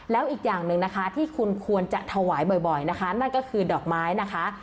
แล้วอีกอย่างหนึ่งนะคะที่คุณควรจะถวายบ่อยนะคะนั่นก็คือดอกไม้นะคะ